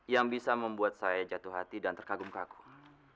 yang bisa membuat saya jatuh hati dan terkagum kagum